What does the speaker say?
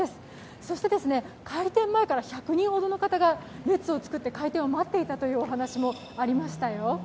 そして開店前から１００人ほどの方が列を作って開店を待っていたというお話もありましたよ。